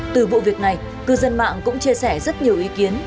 từ vụ việc này cư dân mạng cũng chia sẻ rất nhiều ý kiến